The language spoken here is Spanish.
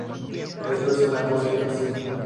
Eso es una cosa que hizo".